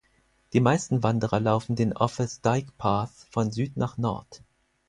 Die meisten Wanderer laufen den Offa’s Dyke Path von Süd nach Nord.